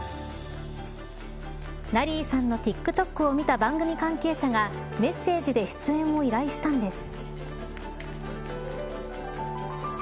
ナリーさんのＴｉｋＴｏｋを見た番組関係者がメッセージで出演を依頼したんです。